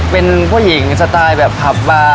เป็นผู้หญิงสไตล์แบบผับบาร์